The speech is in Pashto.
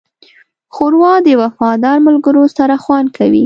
ښوروا د وفادار ملګرو سره خوند کوي.